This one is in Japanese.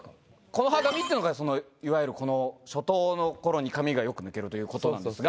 「木の葉髪」っていうのがそのいわゆるこの初冬の頃に髪がよく抜けるということなんですが。